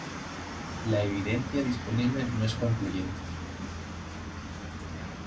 La evidencia disponible no es concluyente.